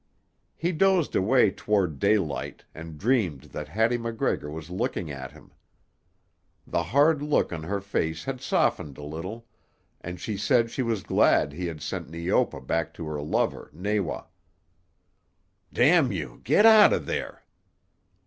He dozed away toward daylight and dreamed that Hattie MacGregor was looking at him. The hard look on her face had softened a little, and she said she was glad he had sent Neopa back to her lover, Nawa. "—— you, get out of there!"